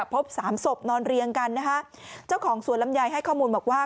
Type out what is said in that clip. พบสามศพนอนเรียงกันนะคะเจ้าของสวนลำไยให้ข้อมูลบอกว่า